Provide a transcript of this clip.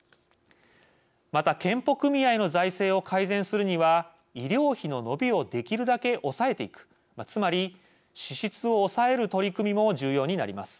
また健保組合の財政を改善するには医療費の伸びをできるだけ抑えていくつまり支出を抑える取り組みも重要になります。